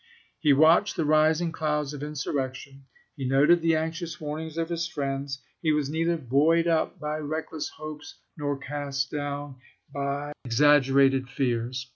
He watched the rising clouds of insurrection ; he noted the anxious warnings of his friends. He was neither buoyed up by reckless hopes, nor cast down by ex THURLoW WEED. THE PRESIDENT ELECT 257 aggerated fears.